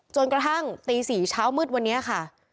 จนกระทั่งตี๔เช้ามืดวันนี้ค่ะ